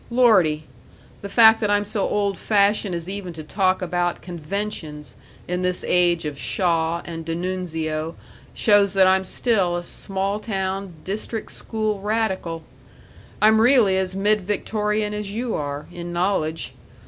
Lordy! the fact that I'm so old fashioned as even to talk about 'conventions' in this age of Shaw and d'Annunzio shows that I'm still a small town, district school radical! I'm really as mid Victorian as you are, in knowledge.